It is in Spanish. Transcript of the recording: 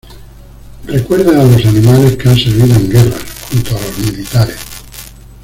Recuerda a los animales que han servido en guerras, junto a los militares.